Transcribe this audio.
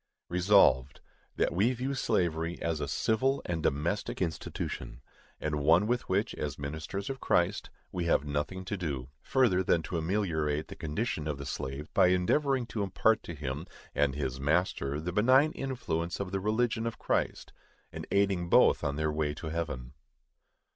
Resolved, That we view slavery as a civil and domestic institution, and one with which, as ministers of Christ, we have nothing to do, further than to ameliorate the condition of the slave by endeavoring to impart to him and his master the benign influences of the religion of Christ, and aiding both on their way to heaven.